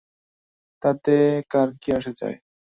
তাতে কার কী আসে যায়!